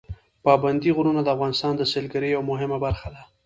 پابندي غرونه د افغانستان د سیلګرۍ یوه مهمه برخه ده.